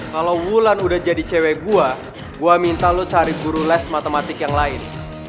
kalau wulan udah jadi cewek gue gue minta lo cari guru les matematik yang lain